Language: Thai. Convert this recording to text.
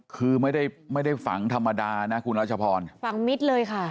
คือไม่ได้ไม่ได้ฝังธรรมดานะคุณรัชพรฝังมิตรเลยค่ะ